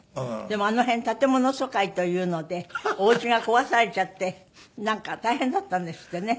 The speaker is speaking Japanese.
でもあの辺建物疎開というのでお家が壊されちゃってなんか大変だったんですってね。